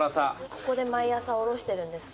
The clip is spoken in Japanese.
ここで毎朝おろしてるんですか？